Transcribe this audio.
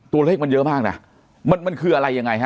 ตัวเลขมันเยอะมากนะมันมันคืออะไรยังไงฮะ